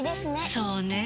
そうねぇ。